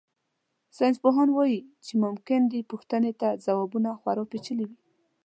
ساینسپوهان وایي چې ممکن دې پوښتنې ته ځوابونه خورا پېچلي وي.